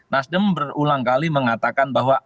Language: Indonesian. nasdem berulang kali mengatakan bahwa